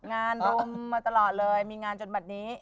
งานรุมมาตลอดเลยมีงานจนบัตรนี้